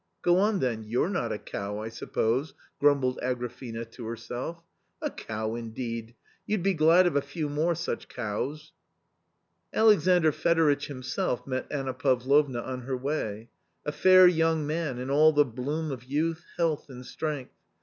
" Go on, then, you're not a cow, I suppose " grumbled Agrafena to herself. " A cow, indeed ! you'd be glad of a few more such cows !" Alexandr Fedoritch himself met Anna Pavlovna on her way, a fair young man in all the bloom of youth, health and strength.